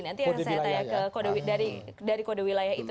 nanti saya akan tanya ke dari kode wilayah itu